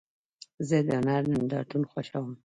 زه د هنر نندارتون خوښوم.